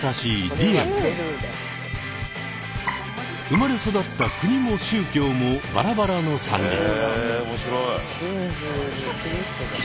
生まれ育った国も宗教もバラバラの３人。